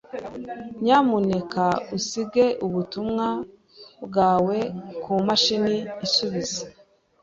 Nyamuneka usige ubutumwa bwawe kumashini isubiza.